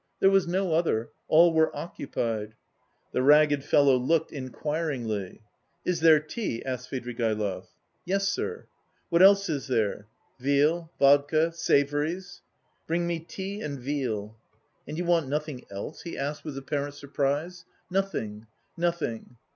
There was no other, all were occupied. The ragged fellow looked inquiringly. "Is there tea?" asked Svidrigaïlov. "Yes, sir." "What else is there?" "Veal, vodka, savouries." "Bring me tea and veal." "And you want nothing else?" he asked with apparent surprise. "Nothing, nothing."